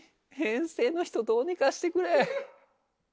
編成の人どうにかしてくれ。